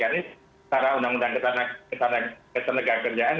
ini secara undang undang ketenagaan kerjaan